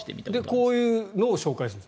こういうのを紹介する。